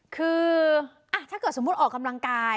คือถ้าเกิดสมมุติออกกำลังกาย